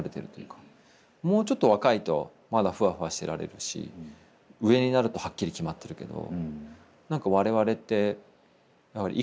もうちょっと若いとまだフワフワしてられるし上になるとはっきり決まってるけど。